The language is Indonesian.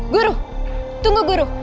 guru tunggu guru